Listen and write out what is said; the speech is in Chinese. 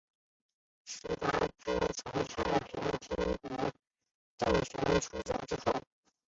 石达开从太平天国政权出走之后。